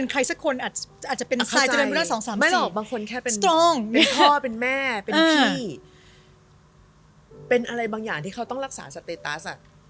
ใครสักคนอาจจะเป็นหรอกบางคนแค่เป็นพ่อเป็นแม่เป็นพี่เป็นอะไรบางอย่างที่เขาต้องรักษาสเตตัส